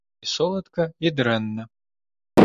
І соладка і дрэнна.